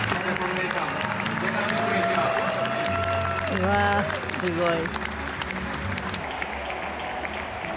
「」「」「」「」うわーすごい。